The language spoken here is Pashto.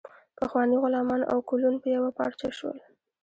پخواني غلامان او کولون په یوه پارچه شول.